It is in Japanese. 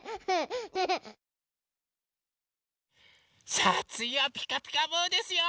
さあつぎは「ピカピカブ！」ですよ。